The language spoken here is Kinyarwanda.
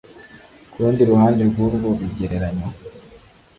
Kurundi ruhande rwurwo rugereranyo